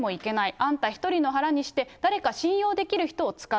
あんた１人の腹にして、誰か信用できる人を使う。